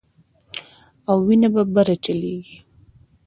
او وينه به بره چليږي